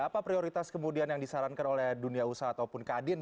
apa prioritas kemudian yang disarankan oleh dunia usaha ataupun kadin